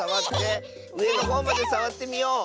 うえのほうまでさわってみよう。